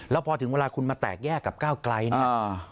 แล้วพอถึงเวลาคุณมาแตกแยกกับก้าวไกลเนี่ย